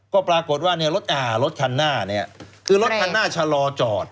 ก็ปรากฏว่าเนี่ยรถคันหน้าเนี่ยคือรถคันหน้าชะลอจอด